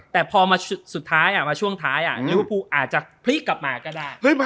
แต่พอมาช่วงท้ายอ่ะลิเวอร์ฟูอาจจะพลิกกลับมาก็ได้